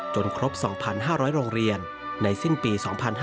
ครบ๒๕๐๐โรงเรียนในสิ้นปี๒๕๕๙